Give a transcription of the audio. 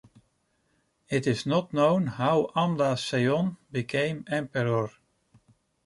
It is not known how Amda Seyon became Emperor.